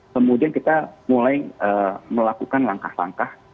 kemudian kita mulai melakukan langkah langkah